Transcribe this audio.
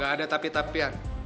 gak ada tapi tapian